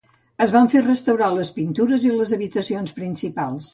Es van fer restaurar les pintures i les habitacions principals.